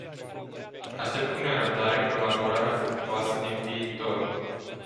Aștept cu nerăbdare colaborarea fructuoasă din viitor.